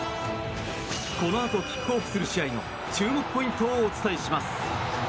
このあとキックオフする試合の注目ポイントをお伝えします。